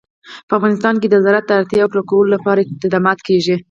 په افغانستان کې د زراعت د اړتیاوو پوره کولو لپاره اقدامات کېږي.